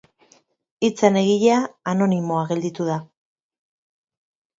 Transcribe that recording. Hitzen egilea anonimoa gelditu da.